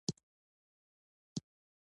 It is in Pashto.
نړیوال څیړونکي دې غونډې ته ډیر لیواله وي.